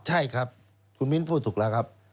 ใช่ครับคุณมิ้นพูดถูกแล้วครับ